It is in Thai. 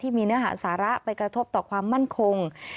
มีเนื้อหาสาระไปกระทบต่อความมั่นคง